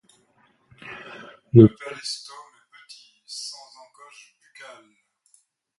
Le péristome est petit, sans encoches buccales.